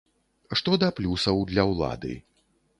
Што да плюсаў для ўлады.